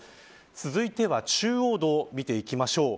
続いては中央道を見ていきましょう。